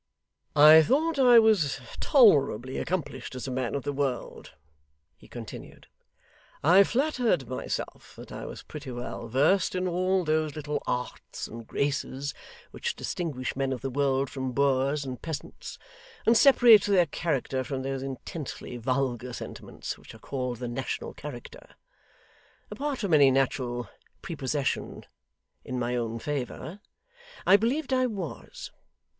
'I thought I was tolerably accomplished as a man of the world,' he continued, 'I flattered myself that I was pretty well versed in all those little arts and graces which distinguish men of the world from boors and peasants, and separate their character from those intensely vulgar sentiments which are called the national character. Apart from any natural prepossession in my own favour, I believed I was.